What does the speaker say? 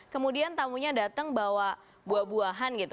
kemudian tamunya datang bawa buah buahan gitu